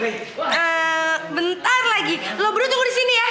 eh bentar lagi lo berdua tunggu disini ya